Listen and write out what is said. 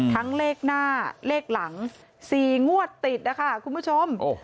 เลขหน้าเลขหลัง๔งวดติดนะคะคุณผู้ชม